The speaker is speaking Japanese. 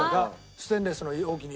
ステンレスの容器に。